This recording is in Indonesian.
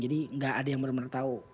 jadi nggak ada yang benar benar tahu